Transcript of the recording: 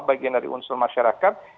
bagian dari unsur masyarakat